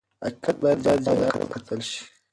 حقیقت باید جلا وکتل شي.